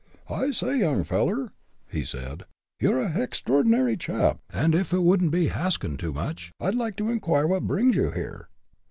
"I say, young feller," he said, "you're a hextrordinary chap, and if it wouldn't be haskin' too much, I'd like to inquire what brings you here?"